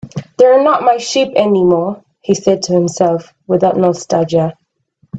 "They're not my sheep anymore," he said to himself, without nostalgia.